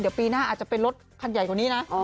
เดี๋ยวปีหน้าอาจจะเป็นรถคันใหญ่กว่านี้นะ